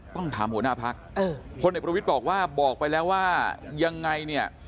ต้องถามหัวหน้าพักพลเอกประวิทย์บอกว่าบอกไปแล้วว่ายังไงเนี่ย